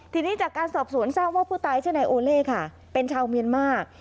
ทีนี้จากการสอบสวนทราบว่าผู้ตายชื่อนายโอเล่ค่ะเป็นชาวเมียนมาร์